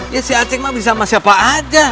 ya si acik mah bisa sama siapa aja